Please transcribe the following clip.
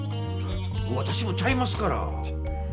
わたしもちゃいますから！